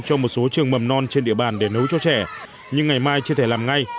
cho một số trường mầm non trên địa bàn để nấu cho trẻ nhưng ngày mai chưa thể làm ngay